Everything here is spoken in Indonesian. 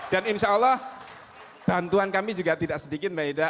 dan insya allah bantuan kami juga tidak sedikit mbak ida